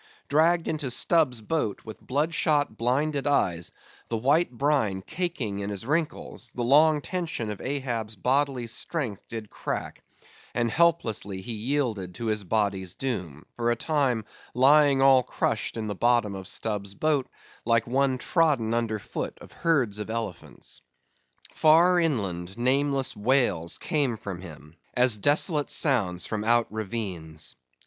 Dragged into Stubb's boat with blood shot, blinded eyes, the white brine caking in his wrinkles; the long tension of Ahab's bodily strength did crack, and helplessly he yielded to his body's doom: for a time, lying all crushed in the bottom of Stubb's boat, like one trodden under foot of herds of elephants. Far inland, nameless wails came from him, as desolate sounds from out ravines.